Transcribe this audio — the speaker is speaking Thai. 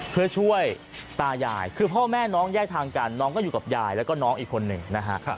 เพื่อช่วยตายายคือพ่อแม่น้องแยกทางกันน้องก็อยู่กับยายแล้วก็น้องอีกคนหนึ่งนะฮะ